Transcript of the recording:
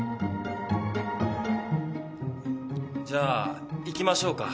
じゃあ行きましょうか。